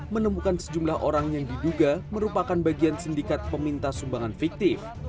menemukan sejumlah orang yang diduga merupakan bagian sindikat peminta sumbangan fiktif